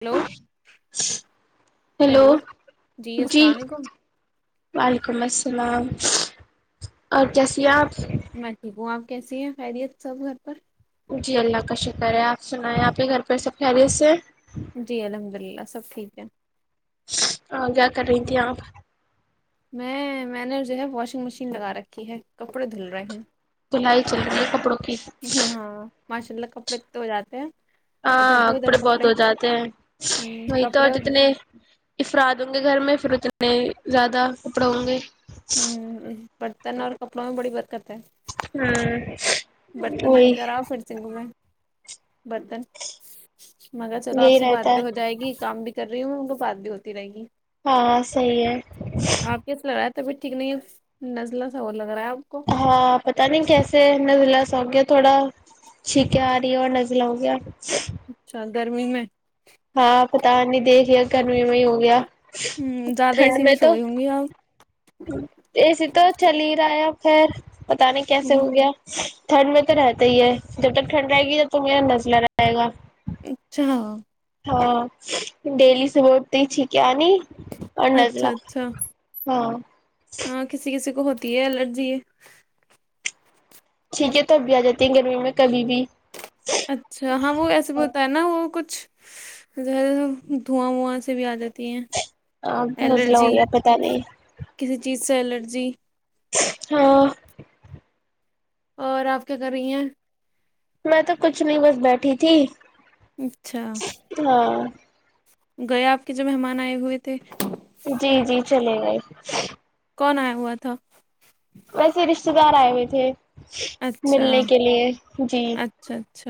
hello hello hello جی السلام علیکم وعلیکم السلام اور کیسی آپ میں ٹھیک ہوں آپ کیسی ہیں خیریت سب گھر پر جی اللہ کا شکر ہے پ سنایں آپ کے گھر پرہ سب خیریت سے جی الحمد اللہ سب ٹھیک ہے کیا کر رہی تھھی آپ میں میں نے جو ہے واشنگ مشین لگا رکھی ہے کپڑے دھل رہے ہیں دلائی چل رہی ہے کپڑوں کی ہاں ماشاء اللہ کپڑے تو جاتے ہیں ادھر ہاں دھو ادھر کپڑے بہت ہو جاتے ہیں ہوں، وہی تو کپڑے اور جتنے افراد ہوں گے گھر میں ڑ اتنے زیادہ کپڑے ہوں گے ہوں ا [unintelligible] برتن اور کپڑا بھیڑی برکت ہے ہاں برتن دک را فر سن گ میں برتن مگر چلو آپ یہی سے رہتا باد ہے ہو جائے گی کام بھی کر رہی ہوں ان کو بات بھی ہوتی رہے گی ہاں صحی ہے تبھی ٹھیک نہیں ہے نزلہ سا ہو لگ رہا ہے اب ہاں پتہ نہیں کیسے الحمد للہ س ہو گیا تھوڑا چنکیں آ رہی ہے اور نزلہ ہو گیا اچھا گرمی میں ہاں پتا نہیں دیکھیا گنمی میں ہی ہو گیا ہوں زیادہ ٹھنڈ اسی میں تو سو گئی ہوں گی آپ ا سی تو چل ہی رہا ہے اب ایکھر [unintelligible] بتے کیسے ہوں، ہو گیا ٹھنڈ میں تو رہتا ہی ہے جب تک ٹھنڈ رہے گی تب تو میرا نزلہ رہئے گا اچھا ہاں ڈیلی سے بٹتی چ کیا نہیں اچھا اچھا ہاں ہاں کسی کسی کو ہوتا تی ہے اللرجی ہے [unintelligible] ٹھیک ہے تو اب بھی آ جاتی ہیں گرمی میں کبھی بھی اچھا ہاں وہ ایسے بولتا ہے نا وہ کچھ ز دھواں وواں سے بھی آ جاتی ہیں آ مزلہ ہو گیا پت نہیں سیلر جی ہاں اور آپ کیا کر رہی ہیں میں تو کچھ نہیں بس بیٹھی تھی اچھا ہاں گیا آپ کے جو مہمان آئے ہوئے تھے جی جی چلے گئے کون آیا ہوا تھا ویسے رشتے دار آئے ہوئے تھے اچھا ملنے کے لیے جی اچھ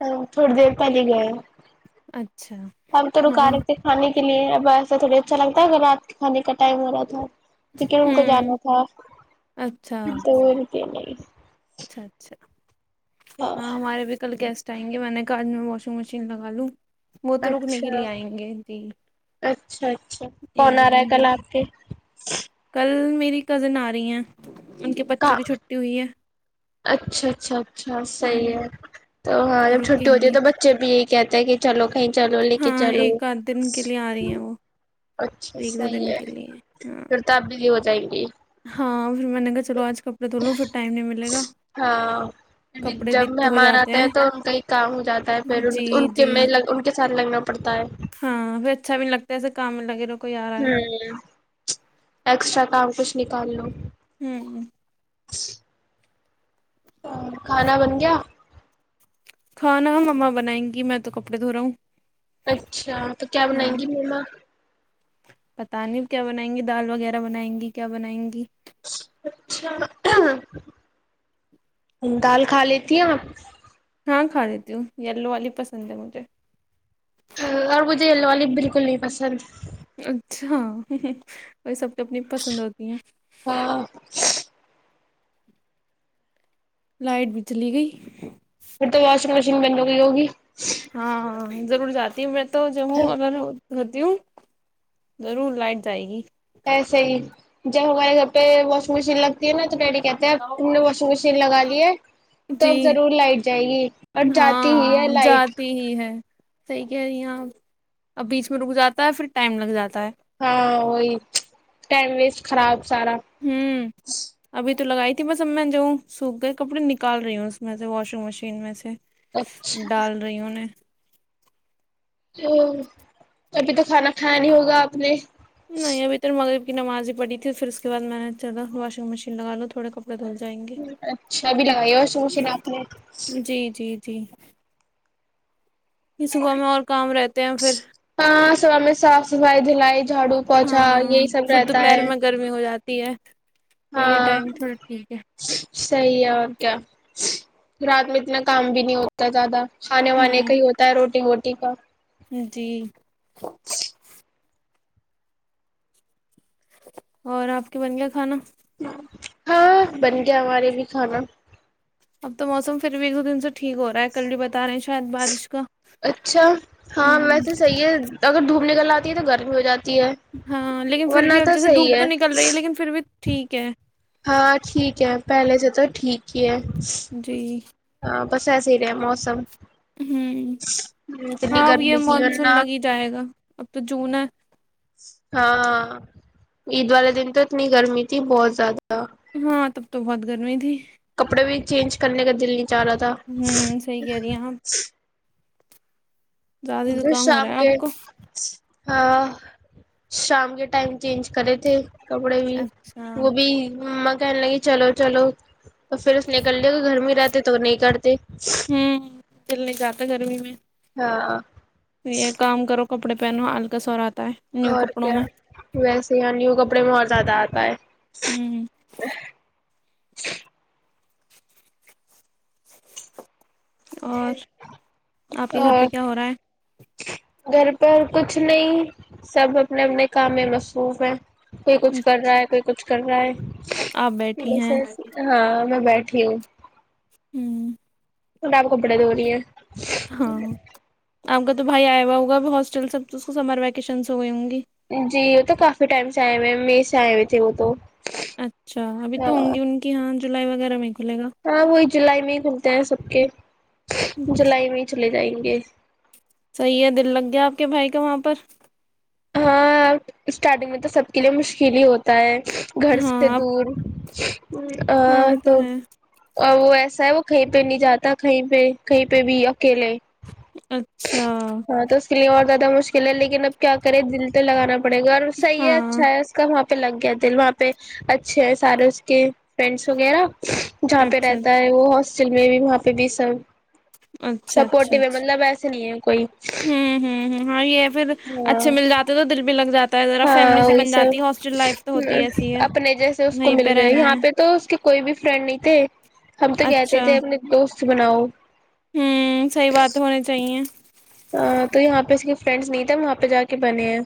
ا تھوڑی دیر پہلے گئے اچھا ہمب تو ہاں رکا رےتے کھانے کے لیے اب ایسا تھوڑی اچھا لگتا ہے اگر رات کے کھانے کا ٹائم ہو رہا تھا لیکن ان کو ہوں جانا تھا اچھا تو نہیں اچھا اچھا ہاں ہمارے بھی کل گس چاہیں گے میں نے کہا آج میں واشنگ مشین لگا لوں وہ تو رکنے کے اچھا لیے آئیں گے جی اچھا اچھا کون ایک دو آ رہا ہے دن کل رک آپ کے کل میری کزن آ رہی ہیں ان کے بچوں کا کی چھٹی ہوئی ہے اچھا اچھا اچھا ہ صحیح ہے تو ہاں جب چھٹی رکیں ہوتی ہے گی تو بچے بھی ایک کہتے ہیں کہ چلو کہیں چلو لے کے ہاں چلو ایک آدھ دن کے لیے آ رہی ہیں وہ اچھا ایک دو صحیح دن ہے کے لیے ہاں پھر تو آپ بزی ہو جائیں گی ہاں پھر میں نے کہا چلو آج کپڑے دھو لو پھر ٹائم نہیں ملے گا ہاں کپڑے بھی جب اتنے ہو مہمان جاتے آتا ہے ہیں تو ان کا ہی کام ہو جاتا ہے پھر ان جی ان کے جی میں ان کے سر لگنا پڑتا ہے ہاں پھر اچھا بھی نہیں لگتا ایسے کام میں لگے رہو کوئی آ رہا ہ ہے ایکسٹرا کام کھ نکاللو ہوں ہ ج کھانا بن گیا کھانا مما بنائیں گی میں تو کپڑے دھو رہا ہوں اچھا تو کیا بنائیں ہاں گی مما پتا نہیں کیا بنائیں گی دال وغیرہ بنائیں گی کیا بنائیں گی اچھا دال کھا لیتی ہیں آپ ہاں کھا دیتی ہوں یلو والی پسند ہے مجھے اور مجھے یلو والی بالکل نہیں پسند اچھا وہی سب کو اپنی پسند ہوتی ہیں ہاں لائٹ بھی چلی گئی پھر تو واشنگ مش ج من ہو گئی ہوگی ہاں ہاں ضرور جی ہے میں تو جو ہوں اگر ہوتی ہوں ضرور لائٹ جائے گی ایسے ہی جب ہمارے گھر پہ واشنگ مشین لگتی ہے نا تو پیٹ کہتے ہیں اب تم نے واشنگ مشین لگا لی ہے جی تب ضرور لائٹ جائے گی اور جاتی ہی ہے ہاں لائٹ جاتی ہی ہے صحیح کہہ رہی یہاں اب بیچ میں رک جاتا ہے پھر ٹائم لگ جاتا ہے ہاں وہی ٹائم ویسٹ خراب سارا ہوں ابھی تو تو لگائی تھی بس ا میں جو سوکھ گئے کپڑے نکال رہی ہوں اس میں سے واشنگ مشین میں سے اچھا ڈال رہیوں نے او ابھی تو کھانا کھایا نہیں ہوگا آپ نے نہیں ابھی تور مگر نمازی پڑی تھی پھر اس کے بعد میں نے چلاا واشنگ مشین لگاو تھوڑے کپ اچھا ابھی لگائی اور سوچ ن آپ نے جی جی جی کہ صبح میں اور کام رہتے ہیں پھر ہاں صب میں صاف صفائی دلائی جھاڑو پوچھا ہاں یہی سب پھر رہتا دوپہر ہے میں گرمی ہو جاتی ہے پھر یہ ہاں ٹائم تھوڑا ٹھیک ہے صحیح ہے اور کیا رات میں اتنا کام بھی نہیں ہوتا زیادہ کھانے وانے کا ہی ہوں ہوتا ہے روٹی ہوتی کا جی اور آپ کے بن گیا کھانا ہاں بن گیا ہمارے بھی کھانا اب تو موسم پھر بھی ایک دو دن سے ٹھیک ہو رہا ہے کل بھی بتا رہے ہیں شاید بارش کا اچھا ہاں ہ ویسے صحیح ہے اگر دھوپ نکل آتی تو گرمی ہو جاتی ہے ہاں لیکن پھر بھی ورنہ تو جیسے صحیح دھوپ تو نکل رہی ہے لیکن پھر بھی ٹھیک ہے ہاں ٹھیک ہے پہلے سے تو ٹھیک ہی ہے جی آاں بس س رہے موسم ہ اتنی ہاں اب یہ گرمی تھی مانسون ورنہ لگ ہی جائے گا اب تو [unintelligible] ہاں عید والے دن تو اتنی گرمی تھی بہت زیادہ ہاں تب تو بہت گرمی تھی کپڑے بھی چینج کرنے کا دل نہیں چلا تھا ہوں صحیح کہہ رہی ہیں آپ زیادہ ہی زکام ہو رہا شام ہے کے آپ کو ہاں شام کے ٹائم چینج کرے تھے کپڑے بھی اچھا وہ ہوں بھی کہنے لگی چلو چلو تو پھر اس نے کر ل گھر میں رہتے تو نہیں کرتے ہوں چلنے کر گرمی میں ہاں ہ یہ کام کرو کپڑے پہنو ہلک سورا اور کیا ویسے نیو کپڑے میں اور زیادہ آتا ہے ہوں اور آپ کے گھر پہ اور کیا ہو رہا ہے گھر پر کچھ نہیں سب اپنے اپنے کام میں مصروف ہے کوئی ہے کچھ کر رہا ہے کوئی کچھ کر رہا آپ ہے بیٹھی ہیں س ہاں میں بیٹھ ھی ہوں پناپ کپڑے دونی ہے ہاں آپ کا تو بھائی آیا ہوا ہوا اب ہاسٹل سب تو اس کو سمر ویکشنس ہو گئے ہ گی جی وہ تو کافی ٹائم سے آئے ہوئے ہیں مے سے آئے ہوئے تھے وہ تو اچھا ابھی تو ہاں ہوں گی ان کی یہاں جولائی وغیرہ میں کھلے گا سلائی میں ہی کھلتے ہیں سب کے جولائی میں ہی چلے جائیں گی تس صحیح ہے دل لگ گیا آپ کے بھائی کا وہاں پر ہاں اسٹارٹنگ میں تو سب کے لیے مشکل ہی ہوتا ہے گھر سے ہاں آپ دور جی آ ہاں یہ تو ہے اور وہ ایسا ہے وہ کہیں پہ نہیں جاتا کہیں پہ کہیں پہ بھی اچھا ہاں توس کے لی یادہ مشکل ہے لیکن اب کیا کرے دل تو لگانا کپڑے گھر صحی ہے ہاں اچھا ہے اس کا پہ لگ گیا دے وہاں پہ اچھے ہیں سارے اس کے فرینڈس وغیرہ جہاں پہ اچھا رہتا ہے وہ مصل میں بھی وہاں پہ بھی سب اچھا اچھا سپورٹو ہے اچھا مطلب ایسے نہیں ہے کوئی ہوں ہ ہ ہاں یہ پھر ہاں اچھے مل جاتا تو دل بھی لگ جاتا ہے ذرا فیملی ہاں سی وہی بن جاتی ہے ہاسٹل لائف تو سب ہوتی ایسی ہے اپنے جیسے اس کو وہیں مل پہ گئے رہنا یہاں ہے پہ تو اس کے کوئی بھی فرینڈ نہیں تھے ہم تو کہتے اچھا تھے اپنے دوست ص بناؤ ہوں صحی بات ہونی چاہیے تو یہاں پہ اس فرینڈس نہیں تھ وہاں پہ جا کے بنے ہیں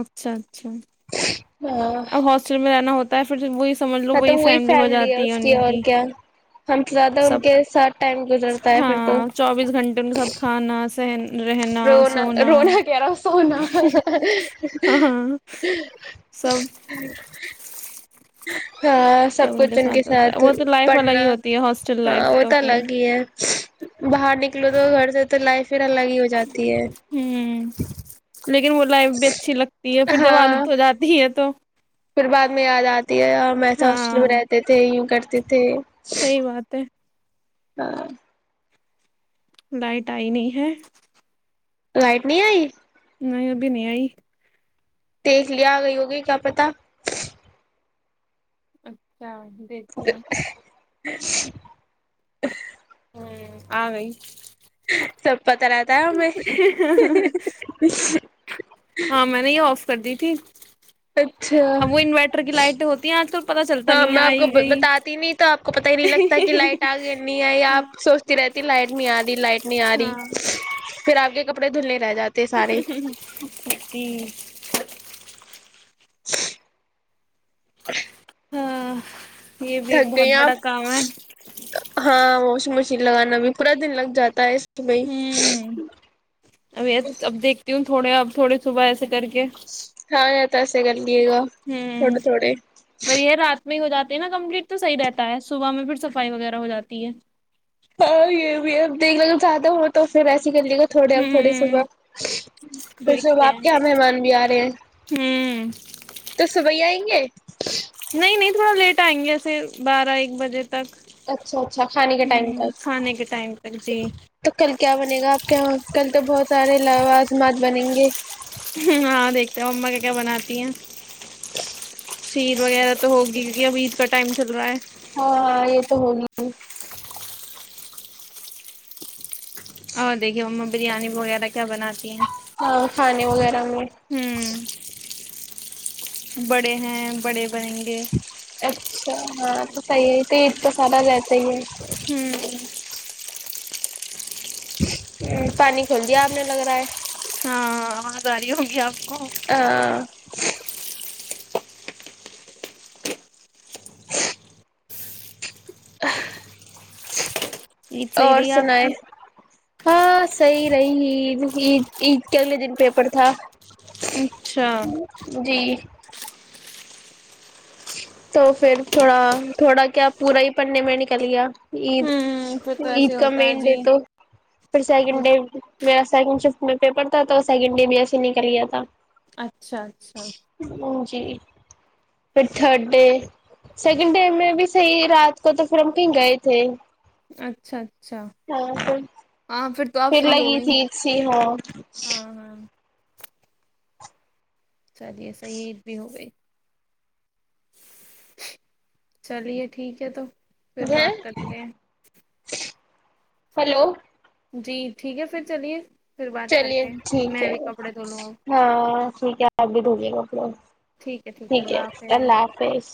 اچھا اچھا ہاں اب ہاسٹل میں رہنا ہوتا ت پھر سے وہ ہاں تو وہی فیملی ہے اس کی اور کیا ہم زیادہ ان سب کے ساتھ ٹائم گزرتا ہے پھر تو ہاں چوبیس گھنٹے کے سات کھانا سہن رہنا رونا سونا رونا کہہ رہا سونا ہاں ہ ہاں سب [inaudible] ہاں سب کچھ ان کے ہوتا ہے ساتھ وہ تو لائف الگ پڑھنا ہی ہوتی ہے ہاسٹل ہاں لائف وہ تو خیر الگ ہی ہے باہر نک لو تو گھر سے تو لائف ہی الگ ہی ہو جات ہے ت ہوں ہے لیکن وہ لائف بھی اچھی لگتی ہے پھر جب عادت ہو جاتی ہے تو پھر بعد میں یاد آتی ہے ہم ایسے ہاسٹل میں ہاں رہتے تھے ی کرتے ت تے صحیح بات ہے ہاں لائٹ آئی نہیں ہے لائٹ نہیں آئی نہیںب نہیں آئی دیکھ لیا آ گئی ہوگی کیا پتا اچھا دیکتیوں [inaudible] [inaudible] ہوں آ گئی سب پتاہ رہتا ہے میں ہاں میں نے یہ آف کر دی تھی اچھا اب وہ انورٹر کی لائٹیں ہوتی ہیں آج کل پتا چلتا ہاں نہیں ہے میں آپ کو آئی گئی بتاتی نہیں تو آپ کو پت ہی نہیں لگتا کہ لائٹ آ گئی نہیں ہے یا آپ سوچتی رہتی لائٹ نہیں آ رہی لائٹ نہیں آ رہی پھر آپ کے کپڑ دھلیں سی ہ [unintelligible] [inaudible] ہاں یہ بھی ایک تھک گئی بہت ہیں آپ بڑا کام ہے ہاں موسم لگانا بھی پورا دن لگ جاتا ہے میں ہوں اب اب دیکھتی ہوں تھوڑے اب تھوڑ صبح ایسے کر کے تو ایسے گ ے گا ہوں تھوڑے تھوڑے پر یہ رات میں ہی ہو جاتی نا کمپلیٹ تو صحی رہتا ہے صبح میں پھر صفائی وغیرہ ہو جاتی ہے ہاں یہب دیکھ ل چاہد ہو تو پھر ایسے ای کر لی گا تھوڑے تھوڑے ہوں صبح پھر صبح دیکھتے آپ ہیں کے یہاں مہمان بھی آ رہے ہیں ہوں تو صبح ہی آئیں گے [inaudible] نہیں نہیں تھوڑا لیٹ آئیں گے ایسے بارہ ایک بجے تک اچھا اچھا کھانے کے ٹائم ہوں تک کھانے کے ٹائم تک جی تو کل کیا بنے گا آپ کے یہاں کل تو بہت سارے لوازمات بنیں گے ہاں دیکھتا ہ اما کیا کیا بناتی ہیں شید وغیرہ تو ہوگی کیونکہ اب عید کا ٹائم چل رہا ہے ہاں ہاں یہ تو ہو گ اور دیکھیے ما بریانی وغیرہ کیا بناتی ہیں کھے وغیرہ نو ہوں بڑے ہیں بڑے بنیں گے اچھا ہاں تو جی صحی ہے تیز کا سارا لیتے ہی ہیں ہوں پانی کھول دیا آپ نے لگ رہا ہے آاںازاری ہوں گی آپ کو ہ [unintelligible] عید [unintelligible] صحیح اور رہی آپ سنیں کی ہاں صحیح رہی عید عید عید کے اگلے دن پیپر تھا اچھا جی تو پھر تھوڑا تھوڑا کیا پورا ہی پنے میں نکل گیا عید ہوں پھر تو عید ایسے کا ہوتا ہے مین جی ڈے تو پھر سیکنڈ ڈے میرا سیکنڈ ففتھ میں پیپر تھا تو second day B S C نکل لیا تھا اچھا اچھا جھ پھر تھرڈ ڈے سیکنڈ ڈے میں بھی صحیح رات کو تو پھر ہم کہیں گئے تھے اچھاچ ہاں پ آپ پھر فری ہو لگی گئی تھی اچ سھی ہاں ہاں ہاں چلیے صحی عید بھی ہو گئی چلیے ٹھیک ہے تو پھر بات کرتے ہیں ہیلو جی ٹھیک ہے پھر چلیے پھر بات چلیے کرتے ہیں ٹھیک میں ہے بھی کپڑے دھو لوں اب ہاں ٹھیک ہے آپ بھی دھجے گا اپ لوگ ٹھیک ہے اللہ حافظ